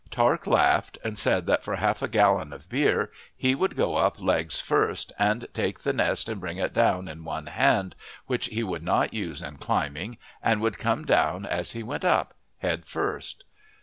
Tark laughed and said that for half a gallon of beer he would go up legs first and take the nest and bring it down in one hand, which he would not use in climbing, and would come down as he went up, head first.